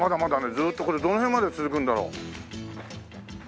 ずーっとこれどの辺まで続くんだろう？